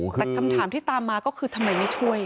แต่คำถามที่ตามมาก็คือทำไมไม่ช่วย